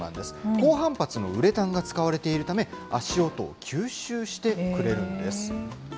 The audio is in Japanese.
高反発のウレタンが使われているため、足音を吸収してくれるんです。